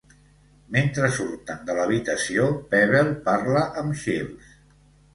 Mentre surten de l'habitació, Pebbel parla amb Shields.